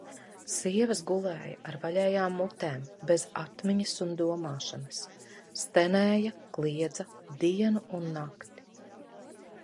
Sievas gulēja ar vaļējām mutēm, bez atmiņas un domāšanas, stenēja, kliedza dienu un nakti.